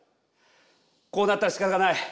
こうなったらしかたがない。